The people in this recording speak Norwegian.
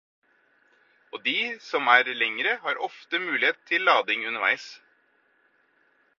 Og de som er lengre, har ofte mulighet til lading underveis.